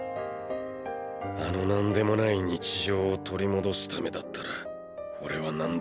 あの何でもない日常を取り戻すためだったら俺は何でもする。